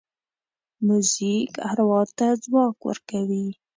موزیک اروا ته ځواک ورکوي.